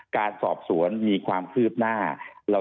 การสอบสวนมีความคืบหน้า